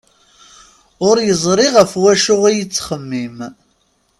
Ur yeẓri ɣef wacu i yettxemmim.